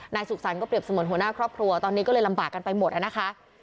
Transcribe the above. นายสุขสันก็เปรียบสมุนหัวหน้าครอบครัวตอนนี้ก็เลยลำบากกันไปหมดแล้วนะคะ